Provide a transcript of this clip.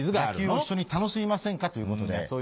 野球を一緒に楽しみませんかということで。